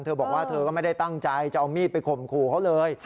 เธอบอกว่าเธอก็ไม่ได้ตั้งใจจะเอามีดไปข่มขู่เขาเลย